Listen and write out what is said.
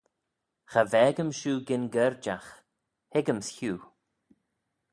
"Cha vaag-ym shiu gyn gerjagh; hig-yms hiu."